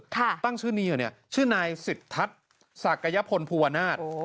ตั้งชื่อนี้ชื่อนายสิทธัศน์ศักยพลภูวนาศ